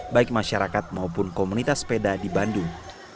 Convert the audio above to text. baik masyarakat maupun komunitas sepeda di bandung